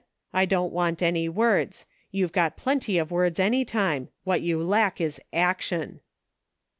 I don't want any words. You've got plenty of words any time ; what you lack is action."